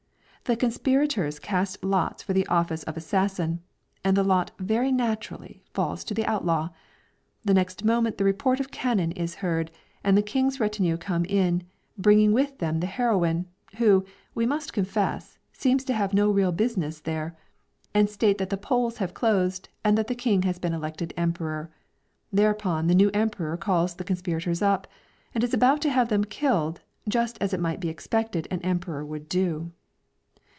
The conspirators cast lots for the office of assassin, and the lot very naturally falls on the outlaw. The next moment the report of cannon is heard, and the king's retinue come in, bringing with them the heroine who, we must confess, seems to have no real business there, and state that the polls have closed, and that the king has been elected emperor. Thereupon the new emperor calls the conspirators up and is about to have them killed, just as it might be expected an emperor would do.